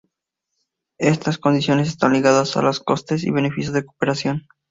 Esas condiciones están ligadas a los costes y beneficios de la cooperación.